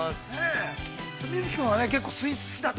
瑞稀君は、結構スイーツが好きだって。